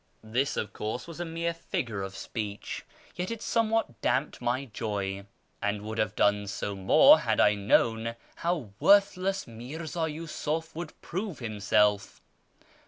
This, of course was a mere figure of speech, yet it somewhat damped my joy, and would have done so more had I known how worthless Mirza Yiisuf would prove himself.